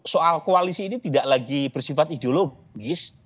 soal koalisi ini tidak lagi bersifat ideologis